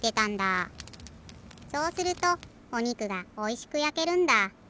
そうするとおにくがおいしくやけるんだ。